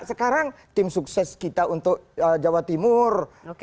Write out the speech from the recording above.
sekarang tim sukses kita untuk jawa timur